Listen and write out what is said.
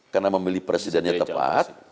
karena memilih presidennya tepat